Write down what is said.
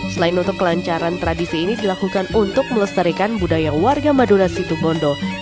selain untuk kelancaran tradisi ini dilakukan untuk melestarikan budaya warga madura situbondo